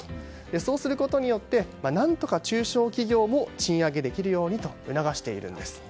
そうすることによって何とか中小企業も賃上げできるようにと促しているんです。